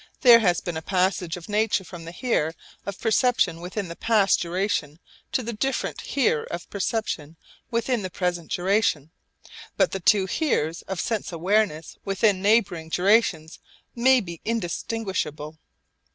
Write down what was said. There has been a passage of nature from the 'here' of perception within the past duration to the different 'here' of perception within the present duration. But the two 'heres' of sense awareness within neighbouring durations may be indistinguishable.